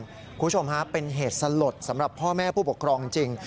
คุณผู้ชมฮะเป็นเหตุสลดสำหรับพ่อแม่ผู้ปกครองจริง